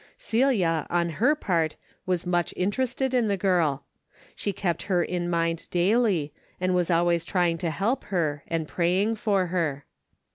Celia, on her part, was much interested in the girl. She kept her in mind daily, and was al ways trying to help her, and praying for her.